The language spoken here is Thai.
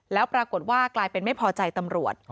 แล้วปรากฏว่ากลายเป็นไม่พอใจตำรวจ